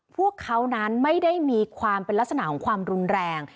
พวกเขานั้นไม่ได้มีความเป็นลักษณะของความรุนแรง